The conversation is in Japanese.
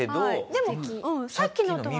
でもさっきのとはね。